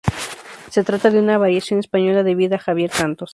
Se trata de una variación española debida a Javier Santos.